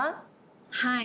はい。